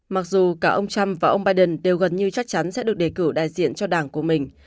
mặc dù cả ông trump và ông biden đều gần như chắc chắn sẽ được đề cử đại diện cho đảng của mình